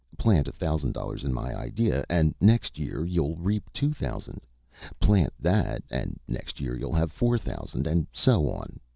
Plant a thousand dollars in my idea, and next year you'll reap two thousand. Plant that, and next year you'll have four thousand, and so on.